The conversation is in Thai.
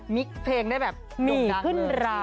มิกเพลงได้แบบหมี่ขึ้นรา